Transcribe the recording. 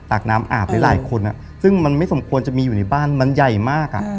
อาบน้ำอาบหลายคนซึ่งมันไม่สมควรจะมีอยู่ในบ้านมันใหญ่มาก